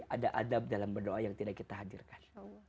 ada adab dalam berdoa yang tidak kita hadirkan